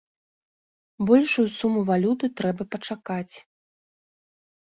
Большую суму валюты трэба пачакаць.